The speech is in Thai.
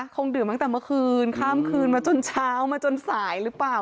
คงดื่มตั้งแต่เมื่อคืนข้ามคืนมาจนเช้ามาจนสายหรือเปล่า